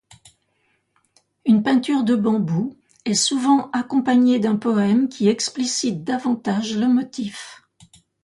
Une peinture de bambous est souvent accompagnée d'un poème qui explicite davantage le motif.